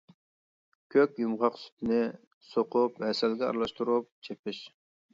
كۆك يۇمغاقسۈتنى سۇقۇپ ھەسەلگە ئارىلاشتۇرۇپ چېپىش.